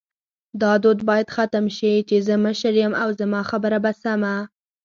دا دود باید ختم شې چی زه مشر یم او زما خبره به سمه